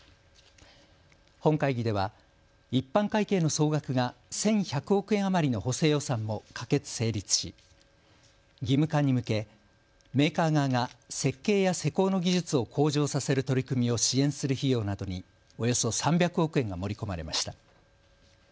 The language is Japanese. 本会議では一般会計の総額が１１００億円余りの補正予算も可決・成立し、義務化に向けメーカー側が設計や施工の技術を向上させる取り組みを支援する費用などにおよそ３００億円が盛り込まれました。